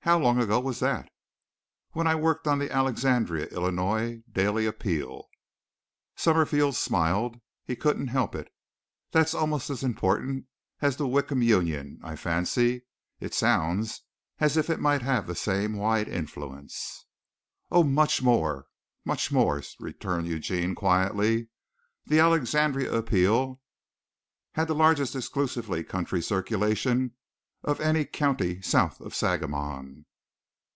"How long ago was that?" "When I worked on the Alexandria, Illinois, Daily Appeal." Summerfield smiled. He couldn't help it. "That's almost as important as the Wickham Union, I fancy. It sounds as if it might have the same wide influence." "Oh, much more, much more," returned Eugene quietly. "The Alexandria Appeal had the largest exclusively country circulation of any county south of the Sangamon."